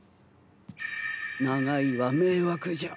長居は迷惑じゃ。